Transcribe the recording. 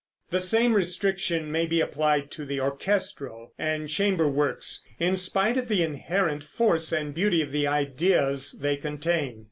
The same restriction may be applied to the orchestral and chamber works, in spite of the inherent force and beauty of the ideas they contain.